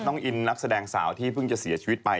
น้องอินนักแสดงสาวที่เพิ่งจะเสียชีวิตไป